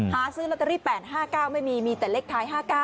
หาซื้อลอตเตอรี่๘๕๙ไม่มีมีแต่เลขท้าย๕๙